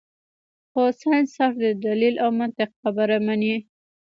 خو سائنس صرف د دليل او منطق خبره مني -